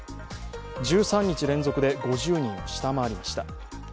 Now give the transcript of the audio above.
１３日連続で５０人を下回りしまた。